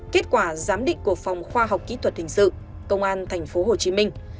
kết quả giám định của phòng khoa học kỹ thuật hình sự công an thành phố hồ chí minh